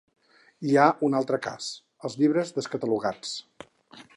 Hi ha un altre cas: els llibres descatalogats.